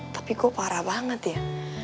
tapi kok parah banget ya